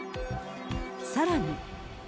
さらに。